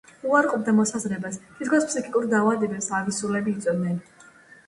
უარყოფდა მოსაზრებას, თითქოს ფსიქიკურ დაავადებებს ავი სულები იწვევდნენ.